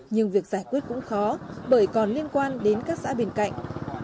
nhưng việc giải quyết cũng khó bởi còn liên quan đến các xã bên cạnh